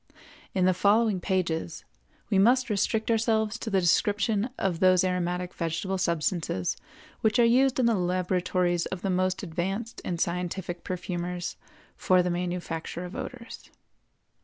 In the following pages we must restrict ourselves to the description of those aromatic vegetable substances which are used in the laboratories of the most advanced and scientific perfumers for the manufacture of odors.